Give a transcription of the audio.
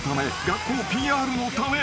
学校ＰＲのため］